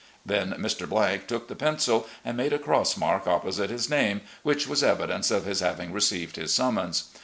Then Mr. took the pencil and made a cross mark opposite his name, which was evidence of his having received his summons.